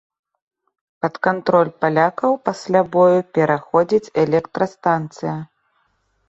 Пад кантроль палякаў пасля бою пераходзіць электрастанцыя.